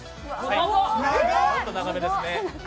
ちょっと長めですね。